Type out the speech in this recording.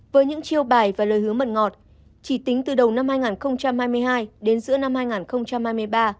với những chiêu bài và lời hứa mận ngọt chỉ tính từ đầu năm hai nghìn hai mươi hai đến giữa năm hai nghìn hai mươi ba